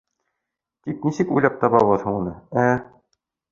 Тик нисек уйлап табабыҙ һуң уны, ә?